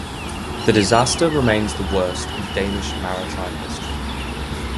The disaster remains the worst in Danish maritime history.